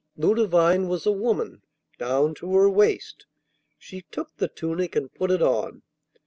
Ludovine was a woman down to her waist. She took the tunic and put it on.